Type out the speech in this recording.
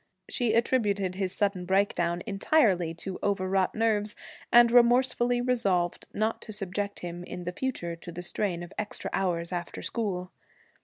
She attributed his sudden breakdown entirely to overwrought nerves, and remorsefully resolved not to subject him in the future to the strain of extra hours after school.